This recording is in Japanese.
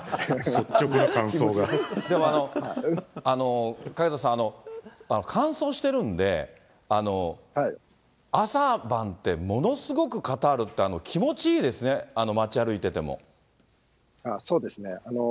でも懸田さん、乾燥してるんで、朝晩って、ものすごくカタールって、気持ちいいですね、そうですね。